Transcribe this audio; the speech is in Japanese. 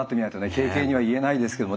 軽々には言えないですけども。